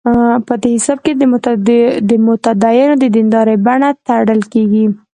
په دې حساب د متدینو د دیندارۍ بڼه تړل کېږي.